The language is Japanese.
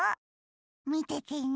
みててね。